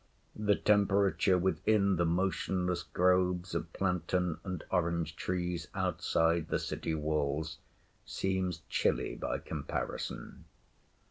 The temperature within the motionless groves of plantain and orange trees outside the city walls seems chilly by comparison.